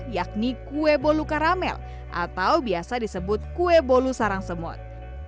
yakni kue bolu karamel atau biasa disebut kue bolu sarang semut